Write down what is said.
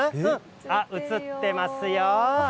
あ、映ってますよ。